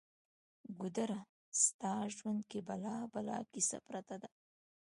ګودره! ستا ژوند کې بلا بلا کیسه پرته ده